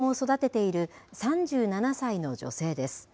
都内で３人の子どもを育てている３７歳の女性です。